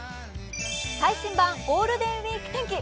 最新版ゴールデンウイーク天気！